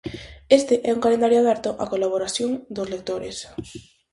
Este é un calendario aberto á colaboración dos lectores.